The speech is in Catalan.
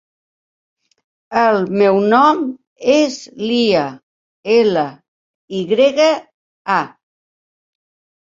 El meu nom és Lya: ela, i grega, a.